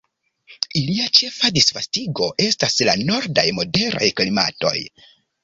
Ilia ĉefa disvastigo estas la nordaj moderaj klimatoj.